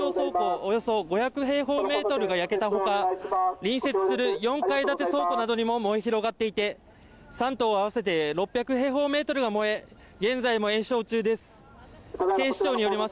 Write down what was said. およそ５００平方メートルが焼けたほか隣接する４階建て倉庫などにも燃え広がっていて三棟合わせて６００平方メートルが燃え現在も延焼中です